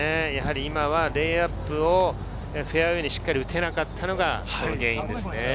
今はレイアップをフェアウエーにしっかり打てなかったのが原因ですね。